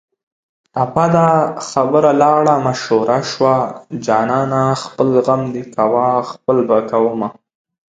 ټپه ده: خبره لاړه ماشوړه شوه جانانه خپل غم دې کوه خپل به کومه